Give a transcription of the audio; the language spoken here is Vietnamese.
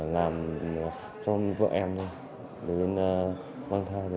làm cho vợ em đến mang thai rồi ạ